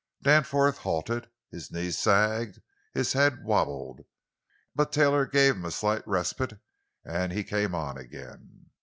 Danforth halted, his knees sagged, his head wabbled. But Taylor gave him a slight respite, and he came on again.